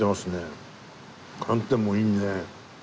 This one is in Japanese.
寒天もいいね。